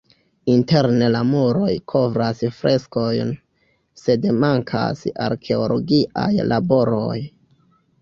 Interne la muroj kovras freskojn, sed mankas arkeologiaj laboroj.